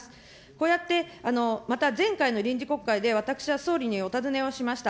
こうやってまた、前回の臨時国会で、私は総理にお尋ねをしました。